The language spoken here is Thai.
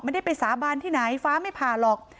ไม่ได้ไปสาบานที่ไหนฟ้าไม่ผ่าหรอก